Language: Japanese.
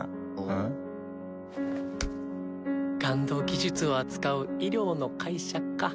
技術を扱う医療の会社か。